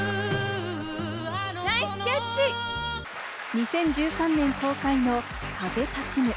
２０１３年公開の『風立ちぬ』。